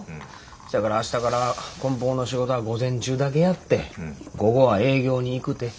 せやから明日からこん包の仕事は午前中だけやって午後は営業に行くて。